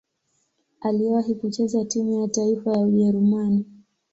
Aliwahi kucheza timu ya taifa ya Ujerumani.